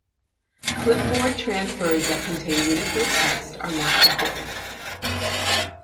Clipboard transfers that contain Unicode text are not supported.